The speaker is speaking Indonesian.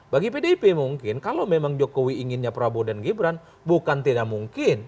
bagi pdip mungkin kalau memang jokowi inginnya prabowo dan gibran bukan tidak mungkin pdip akan menduetkan ganjar pranowo dengan anies